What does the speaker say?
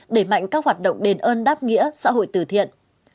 đẩy mạnh các hoạt động đền ơn đáp nghĩa xã hội từ thiện